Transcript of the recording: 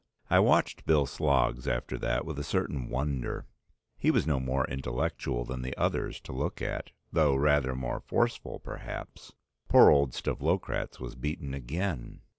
I watched Bill Sloggs after that with a certain wonder; he was no more intellectual than the others to look at, though rather more forceful perhaps. Poor old Stavlokratz was beaten again.